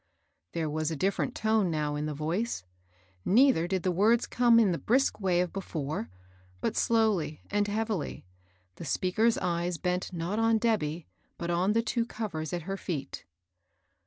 There was a different tone now in the voice ; nei ther did the words come in the brisk way of be fore, but slowly and heavily, the speaker's eyes bent not on Debby, but on the two covers at her feet.